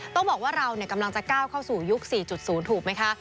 ต้องบอกว่าเรากำลังจะก้าวเข้าสู่ยุค๔๐ถูกไหมคะ